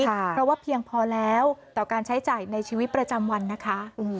เพราะว่าเพียงพอแล้วต่อการใช้จ่ายในชีวิตประจำวันนะคะ